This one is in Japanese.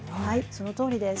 そのとおりです。